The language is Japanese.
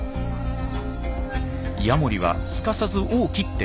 ヤモリはすかさず尾を切って逃走！